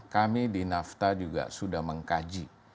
kami di nafta juga sudah mengkaji